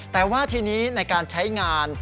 แต่ว่าทีนี้ในการใช้งาน